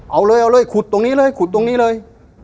เอาเลยเอาเลยขุดตรงนี้เลยขุดตรงนี้เลย